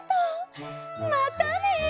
またね。